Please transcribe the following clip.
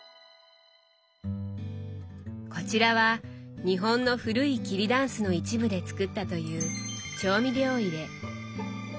こちらは日本の古い桐だんすの一部で作ったという調味料入れ。